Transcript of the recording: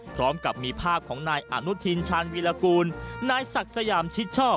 พร้อมกับมีภาพของนายอนุทินชาญวีรกูลนายศักดิ์สยามชิดชอบ